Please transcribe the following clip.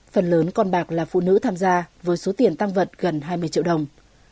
phần lớn con bạc là phụ nữ tham gia với số tiền tăng vật gần hai mươi triệu đồng